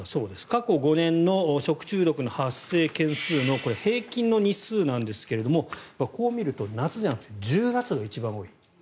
過去５年の食中毒の発生件数のこれ、平均の日数なんですがこう見ると夏じゃなくて１０月が一番多い。